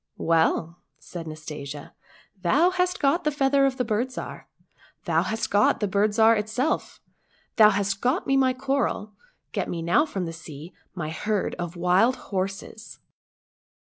" Well,"lsaidjNastasia, " thou hast got the feather of the Bird Zhar, thou hast got the Bird Zhar itself, thou hast got me my coral, get me now from the sea my herd of wild horses